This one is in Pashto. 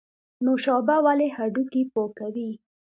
نوشابه ولې هډوکي پوکوي؟